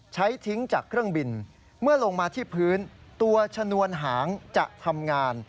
ทิ้งจากเครื่องบินเมื่อลงมาที่พื้นตัวชนวนหางจะทำงาน